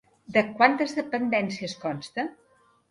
De quantes dependències consta?